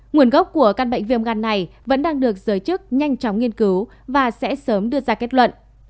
nguồn gốc của căn bệnh viêm gan này vẫn đang được giới chức nhanh chóng nghiên cứu và sẽ sớm đưa ra kết luận